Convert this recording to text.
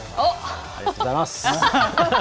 ありがとうございます。